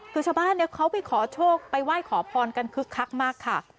คือชาวบ้านเขาไปขอโชคไปไหว้ขอพรกันคึกคักมากค่ะ